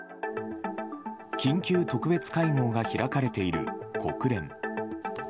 緊急特別会合が開かれている国連。